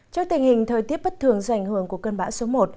trước tình hình thời tiết bất thường do ảnh hưởng của cơn bão số một